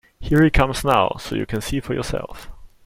Here he comes now, so you can see for yourself.